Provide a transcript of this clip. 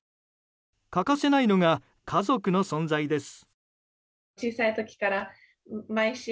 欠かせないのが家族の存在です。